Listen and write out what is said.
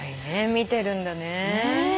見てるんだね。